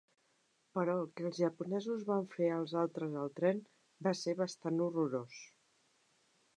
Però el que els japonesos van fer als altres al tren va ser bastant horrorós.